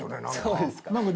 そうですか。